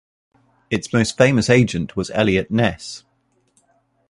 Its most famous agent was Eliot Ness.